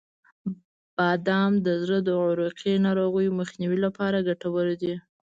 • بادام د زړه د عروقی ناروغیو مخنیوي لپاره ګټور دي.